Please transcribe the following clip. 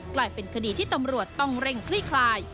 กลายเป็นคดีที่ตำรวจต้องเร่งคลี่คลาย